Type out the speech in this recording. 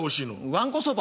わんこそば。